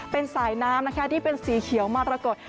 เป็นสายน้ำนะคะที่เป็นสีเขียวมรกฏ